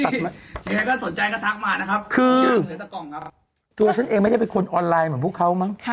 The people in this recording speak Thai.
บางคนง่ายดูฉันเองไม่ได้เป็นคนออนไลน์ประมาณพวกเขามัง